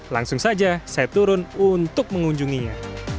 langsung saja saya turun untuk mengunjunginya